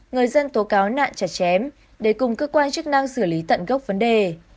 người dân tố cáo nạn chặt chém để cùng cơ quan chức năng xử lý tận gốc vấn đề